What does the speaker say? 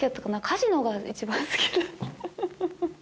カジノが一番好きだった。